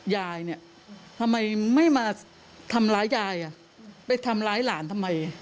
ยายเนี่ยทำไมไม่มาทำร้ายยายไปทำร้ายหลานทำไม